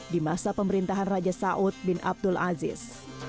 di masa pemerintahan raja saud bin abdul aziz